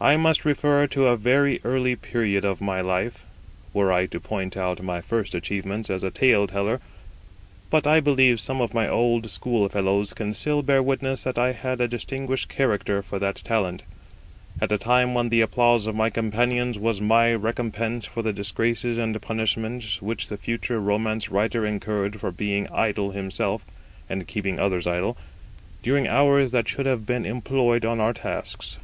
I must refer to a very early period of my life, were I to point out my first achievements as a tale teller; but I believe some of my old schoolfellows can still bear witness that I had a distinguished character for that talent, at a time when the applause of my companions was my recompense for the disgraces and punishments which the future romance writer incurred for being idle himself, and keeping others idle, during hours that should have been employed on our tasks.